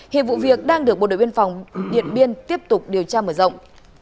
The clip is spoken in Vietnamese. hiện vụ việc đang được bộ đội biên phòng điện biên tiếp tục điều tra mở rộng